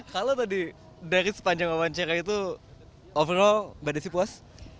kalau tadi dari sepanjang wawancara itu overall mbak desi puas